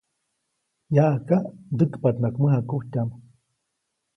Yaʼajka, ndäkpaʼtnaʼajk mäjakujtyaʼm.